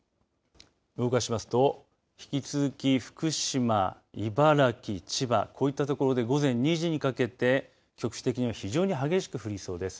動かしますと引き続き福島、茨城、千葉こういった所で午前２時にかけて局地的に非常に激しく降りそうです。